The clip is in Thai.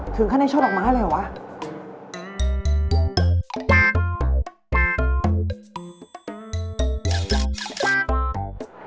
ถึงข้างในช่อดอกม้าอะไรหรือเปล่าวะ